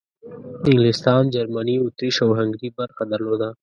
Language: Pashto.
انګلستان، جرمني، اطریش او هنګري برخه درلوده.